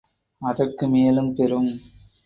அதற்கு மேலும் பெறும்.